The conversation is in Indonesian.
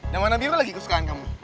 yang mana biru lagi kesukaan kamu